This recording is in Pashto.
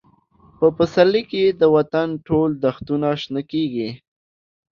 په پسرلي کې د وطن ټول دښتونه شنه شول.